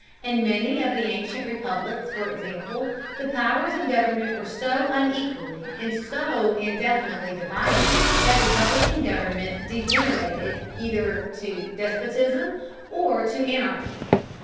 In many of the ancient republics, for example, the powers of government were so unequally and so indefinitely divided that republican government degenerated either to despotism or to anarchy.